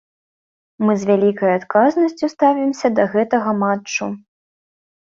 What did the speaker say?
Мы з вялікай адказнасцю ставімся да гэтага матчу.